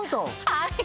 はい。